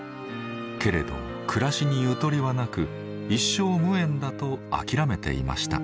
けれど暮らしにゆとりはなく一生無縁だと諦めていました。